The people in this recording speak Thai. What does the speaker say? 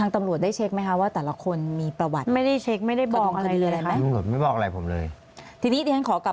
ทีนี้ที่ฉันขากลับมา